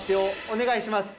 お願いします。